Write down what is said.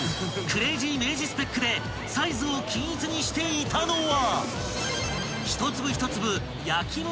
クレイジーメイジスペックでサイズを均一にしていたのは］